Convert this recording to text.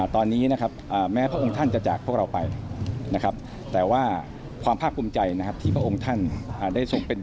ตอนนี้นะครับแม้พระองค์ท่านจะจากพวกเราไปนะครับ